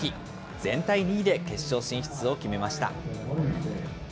全体２位で決勝進出を決めました。